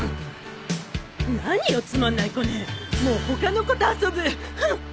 何よつまんない子ねもう他の子と遊ぶフン！